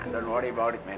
jangan khawatir men